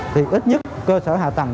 thì ít nhất cơ sở hạ tầng